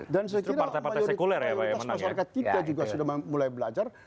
dan setidaknya mayoritas masyarakat kita juga sudah mulai belajar